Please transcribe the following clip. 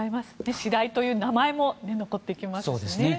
シライという名前も残っていきますしね。